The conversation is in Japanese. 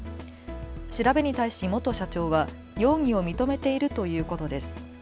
調べに対し元社長は容疑を認めているということです。